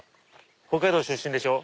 北海道出身でしょ。